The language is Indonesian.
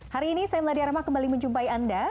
hari ini saya meladi arama kembali menjumpai anda